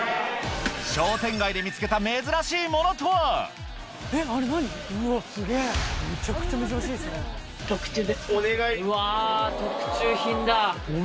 商店街で見つけた珍しいものとは⁉特注です。